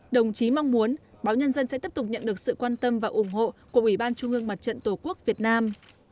đồng chí mong muốn báo nhân dân sẽ tiếp tục nhận được sự quan tâm và ủng hộ của ủy ban trung ương mặt trận tổ quốc việt nam